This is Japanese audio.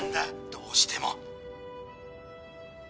どうしても。